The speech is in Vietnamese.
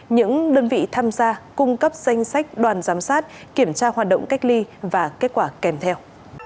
những đơn vị tham gia cung cấp danh sách đoàn giám sát kiểm tra hoạt động cách ly và kết quả kèm theo